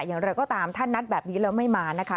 อย่างไรก็ตามถ้านัดแบบนี้แล้วไม่มานะคะ